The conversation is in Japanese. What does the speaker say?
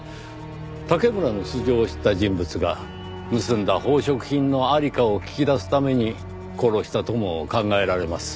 竹村の素性を知った人物が盗んだ宝飾品の在りかを聞き出すために殺したとも考えられます。